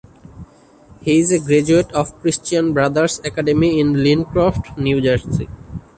He is a graduate of Christian Brothers Academy in Lincroft, New Jersey.